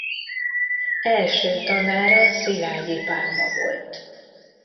Első tanára Szilágyi Pálma volt.